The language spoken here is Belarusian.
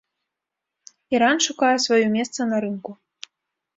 Іран шукае сваё месца на рынку.